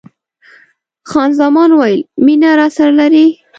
خان زمان وویل: مینه راسره لرې؟